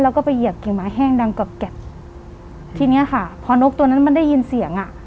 แล้วก็ไปเหยียบกิ่งไม้แห้งดังกรอบทีเนี้ยค่ะพอนกตัวนั้นมันได้ยินเสียงอ่ะ